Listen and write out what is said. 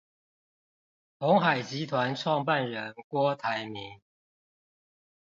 鴻海集團創辦人郭台銘